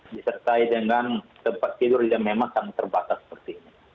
disertai dengan tempat tidur yang memang sangat terbatas seperti ini